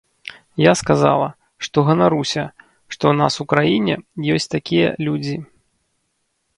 Я сказала, што ганаруся, што ў нас у краіне ёсць такія людзі.